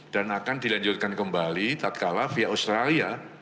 dan akan dilanjutkan kembali tak kala via australia